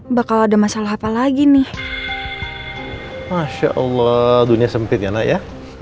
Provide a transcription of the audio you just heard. mbak andi mau tanya apa ya ke mereka